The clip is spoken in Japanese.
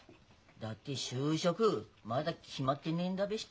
だって就職まだ決まってねえんだべした？